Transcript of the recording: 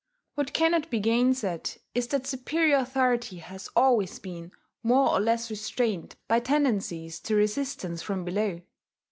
What cannot be gainsaid is that superior authority has always been more or less restrained by tendencies to resistance from below....